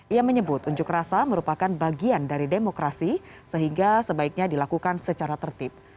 ia menyebut unjuk rasa merupakan bagian dari demokrasi sehingga sebaiknya dilakukan secara tertib